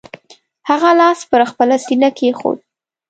هغه لاس پر خپله سینه کېښود.